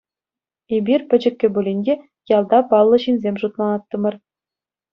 Эпир, пӗчӗккӗ пулин те, ялта паллӑ ҫынсем шутланаттӑмӑр.